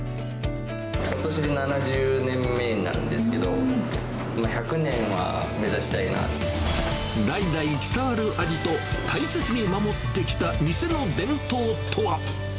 ことしで７０年目になるんで代々伝わる味と、大切に守ってきた店の伝統とは。